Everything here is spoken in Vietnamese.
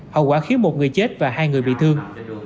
hậu quả khiến một người chết và hai người bị thương